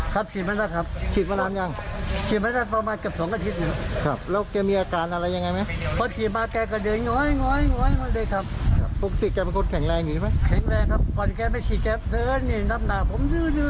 แข็งแรงครับก่อนแกไม่สีแก๊บเดือนนี่น้ำหนาผม